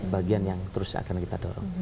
bagian yang terus akan kita dorong